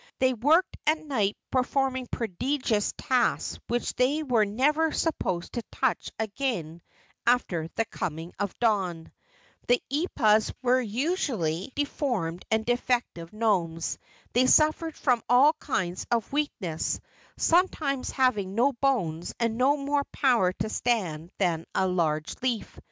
They worked at night performing prodigious tasks which they were never supposed to touch again after the coming of dawn. The eepas were usually deformed and defective gnomes. They suffered from all kinds of weakness, sometimes having no bones and no more power to stand than a large leaf.